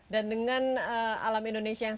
dan dengan alam indonesia yang